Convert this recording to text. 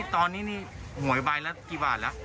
ตอนนี้หวยไบรัสกี่บาทล่ะ